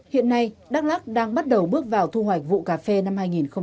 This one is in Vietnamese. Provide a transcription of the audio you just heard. hiện nay đắk lắc đang bắt đầu bước vào thu hoạch vụ cà phê năm hai nghìn hai mươi